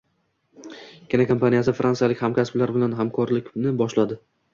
Kinokompaniyasi fransiyalik hamkasblari bilan hamkorlik boshladi